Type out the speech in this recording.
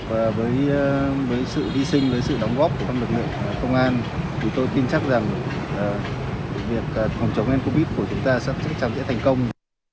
và với sự hy sinh với sự đóng góp trong lực lượng công an thì tôi tin chắc rằng việc phòng chống ncovid của chúng ta sẽ chắc chắn thành công